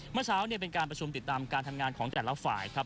เมื่อเช้าเป็นการประชุมติดตามการทำงานของแต่ละฝ่ายครับ